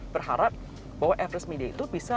berharap bahwa appless media itu bisa